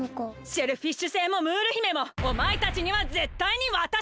シェルフィッシュ星もムール姫もおまえたちにはぜったいにわたさない！